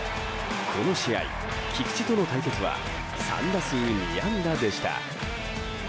この試合、菊池との対決は３打数２安打でした。